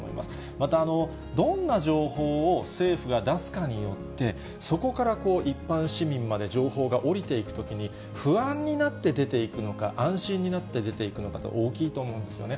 また、どんな情報を政府が出すかによって、そこから一般市民まで情報が下りていくときに、不安になって出ていくのか、安心になって出ていくのかって、大きいと思うんですよね。